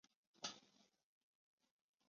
其位置即为现今的自治领剧院。